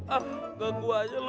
ah gak kuatnya lo